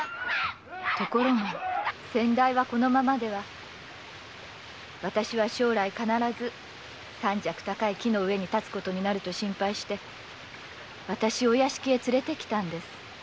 ところが先代はこのままでは将来必ず三尺高い木の上に立つだろうと心配して私をお屋敷へ連れて来たんです。